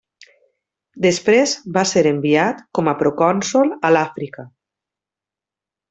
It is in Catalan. Després va ser enviat com a procònsol a l'Àfrica.